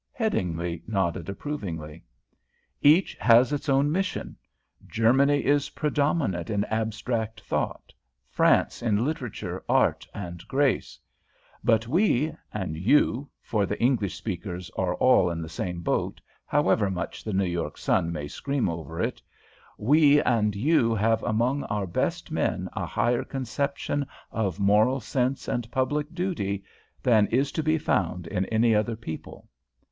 Headingly nodded approvingly. "Each has its own mission. Germany is predominant in abstract thought; France in literature, art, and grace. But we and you, for the English speakers are all in the same boat, however much the New York Sun may scream over it, we and you have among our best men a higher conception of moral sense and public duty than is to be found in any other people.